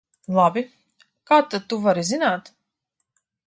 Labi, kā tad tu vari zināt?